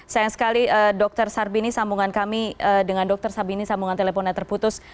sayang sekali dr sarbini sambungan kami dengan dr sabini sambungan teleponnya terputus